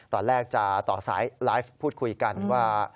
ตอนแรกจะต่อสายไลฟ์พูดคุยกันว่า